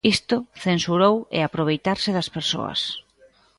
Isto, censurou, "é aproveitarse das persoas".